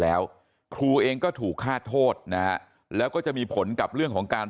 แล้วครูเองก็ถูกฆ่าโทษนะฮะแล้วก็จะมีผลกับเรื่องของการ